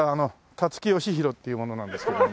立木義浩っていう者なんですけども。